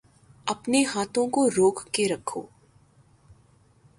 اپنے ہاتھوں کو روک کے رکھو